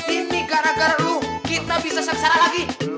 ini gara gara kita bisa saksara lagi